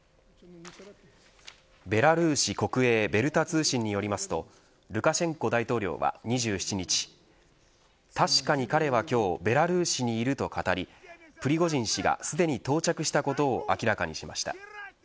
ベラルーシ国営ベルタ通信によりますとルカシェンコ大統領は２７日確かに彼は今日ベラルーシにいると語りプリゴジン氏がすでに今日到着したことを明らかにしました。